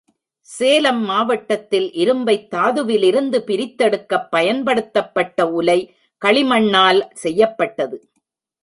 சேலம் மாவட்டத்தில் இரும்பைத் தாதுவிலிருந்து பிரித்தெடுக்கப் பயன்படுத்தப்பட்ட உலை களிமண்ணால் செய்யப்பட்டது.